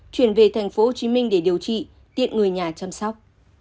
chuyển về tp hcm để điều trị tiện người nhà chăm sóc